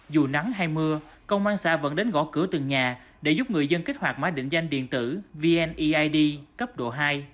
dù nắng hay mưa công an xã vẫn đến gõ cửa từng nhà để giúp người dân kích hoạt máy định danh điện tử vneid cấp độ hai